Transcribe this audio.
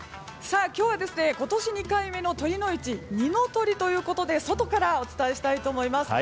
今日は今年２回目の酉の市二の酉ということで外からお伝えしたいと思います。